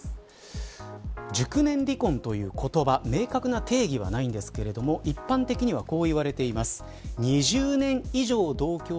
熟年離婚という言葉明確な定義はないんですけれども一般的にはこう言われています。